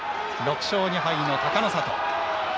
６勝２敗の隆の里。